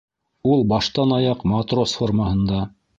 Ул баштан-аяҡ матрос формаһында.